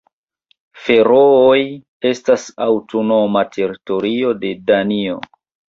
Ferooj estas aŭtonoma teritorio de Danio.